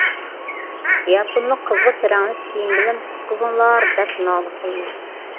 ياپونلۇق قىزغۇچ رەڭلىك كىيىم بىلەن «قۇتقۇزۇڭلار» دەپ نالە قىلدى.